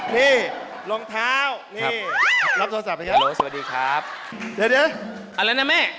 นี่รองเท้านี่รับโทรศัพท์ให้เยอะสวัสดีครับเดี๋ยวอะไรนะแม่